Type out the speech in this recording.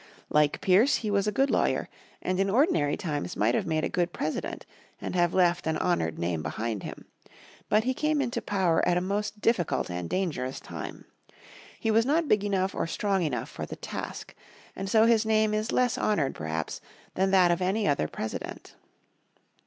Like Pierce, he was a lawyer, and in ordinary times might have made a good President and have left an honoured name behind him. But he came into power at a most difficult and dangerous time. He was not big enough or strong enough for the task. And so his name is less honoured perhaps than that of any other President.